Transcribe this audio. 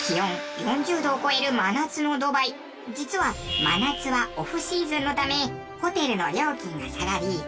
実は真夏はオフシーズンのためホテルの料金が下がり